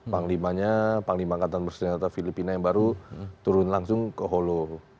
panglimanya panglima angkatan bersenjata filipina yang baru turun langsung ke holo